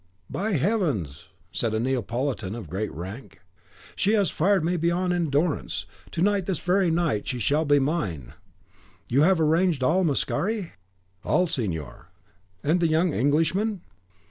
"By heavens!" said a Neapolitan of great rank, "She has fired me beyond endurance. To night this very night she shall be mine! You have arranged all, Mascari?" "All, signor. And the young Englishman?"